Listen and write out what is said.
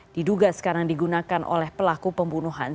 diduga sekarang digunakan oleh pelaku pembunuhan